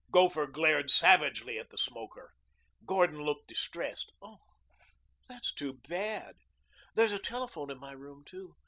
Gopher glared savagely at the smoker. Gordon looked distressed. "That's too bad. There's a telephone in my room, too.